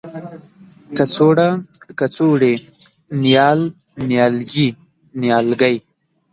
کڅوړه ، کڅوړې ،نیال، نيالګي، نیالګی